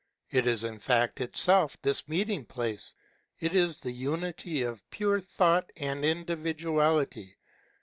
It is in fact itself this meeting place ; it is the unity of pure thought and individuality.